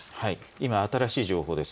今、新しい情報です。